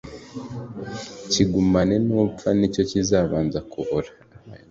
Kigumanane n’upfa nicyo kizabanza kubora